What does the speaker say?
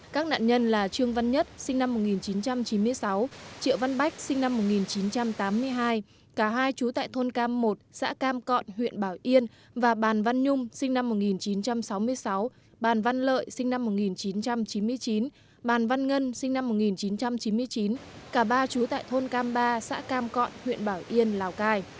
các nạn nhân là trương văn nhất sinh năm một nghìn chín trăm chín mươi sáu triệu văn bách sinh năm một nghìn chín trăm tám mươi hai cả hai chú tại thôn cam một xã cam cọn huyện bảo yên và bàn văn nhung sinh năm một nghìn chín trăm sáu mươi sáu bàn văn lợi sinh năm một nghìn chín trăm chín mươi chín bàn văn ngân sinh năm một nghìn chín trăm chín mươi chín cả ba chú tại thôn cam ba xã cam cọn huyện bảo yên lào cai